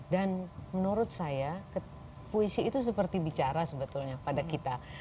dan menurut saya puisi itu seperti bicara sebetulnya pada kita